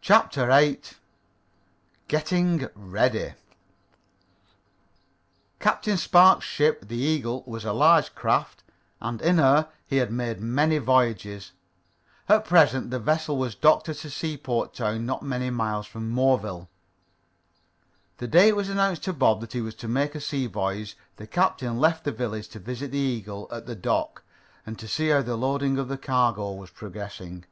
CHAPTER VIII GETTING READY Captain Spark's ship, the Eagle, was a large craft, and in her he had made many voyages. At present the vessel was docked at a seaport town not many miles from Moreville. The day it was announced to Bob that he was to make a sea voyage, the captain left the village to visit the Eagle at the dock and see how the loading of the cargo was progressing.